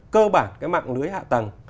cơ bản cái mạng lưới hạ tầng